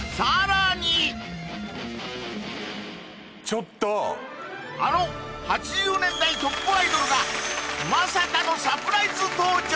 ちょっとあの８０年代トップアイドルがまさかのサプライズ登場！